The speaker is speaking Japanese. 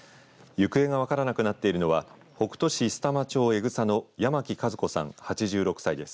行方が分からなくなっているのは北杜市須玉町江草の八巻和子さん、８６歳です。